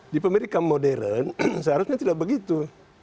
di amerika modern seharusnya tidak begitu